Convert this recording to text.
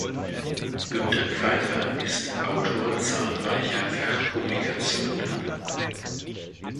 Günter Pfeifer ist Autor zahlreicher Fachpublikationen.